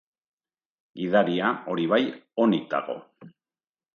Gidaria, hori bai, onik dago.